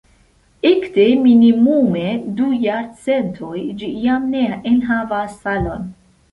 Ekde minimume du jarcentoj ĝi jam ne enhavas salon.